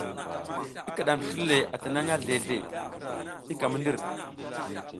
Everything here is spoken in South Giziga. I kiɗam slir le atinangʼha zle zle i ka mi ndir.